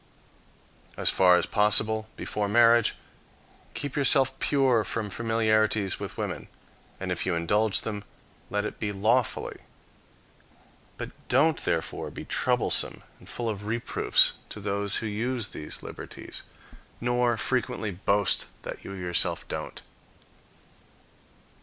As far as possible, before marriage, keep yourself pure from familiarities with women, and, if you indulge them, let it be lawfully." But don't therefore be troublesome and full of reproofs to those who use these liberties, nor frequently boast that you yourself don't.